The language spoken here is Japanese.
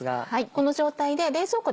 この状態で。